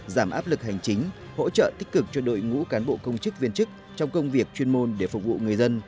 giảm áp lực hành chính hỗ trợ tích cực cho đội ngũ cán bộ công chức viên chức trong công việc chuyên môn để phục vụ người dân